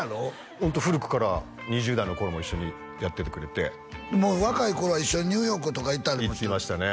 ホント古くから２０代の頃も一緒にやっててくれてもう若い頃は一緒にニューヨークとか行ったり行きましたね